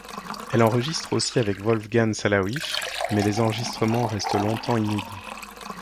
Elle enregistre aussi avec Wolfgang Sawallisch, mais les enregistrements restent longtemps inédits.